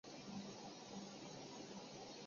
湖北蕲水人。